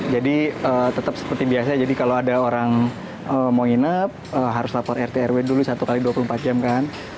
jadi tetap seperti biasa jadi kalau ada orang mau nginep harus lapor rt rw dulu satu x dua puluh empat jam kan